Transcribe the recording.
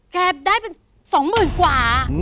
แกบได้เป็นสองหมื่นกว่า